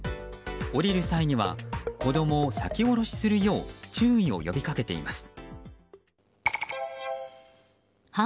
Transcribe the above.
降りる際には子供を先降ろしするよう注意を呼びかけています。